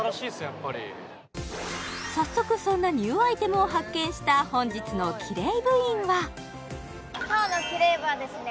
やっぱり早速そんなニューアイテムを発見した本日のキレイ部員は今日のキレイ部はですね